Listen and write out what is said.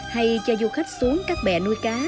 hay cho du khách xuống các bè nuôi cá